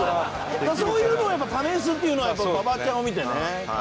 そういうのを試すっていうのはやっぱ馬場ちゃんを見てね。